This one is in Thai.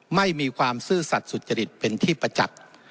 ไม่มีความซื่อสัตว์สุจริตเป็นที่ประจักษ์